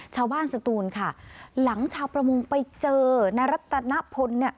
ชาวบ้านสตูนค่ะหลังชาวประมงไปเจอนารัตนพล